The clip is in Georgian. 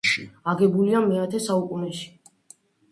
აგებულია მეათე საუკუნეში.